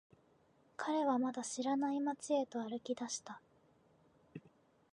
彼はまだ知らない街へと歩き出した。